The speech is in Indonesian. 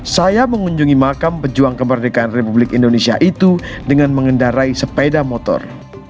saya mengunjungi makam pejuang kemerdekaan republik indonesia itu dengan mengendarai sepeda motor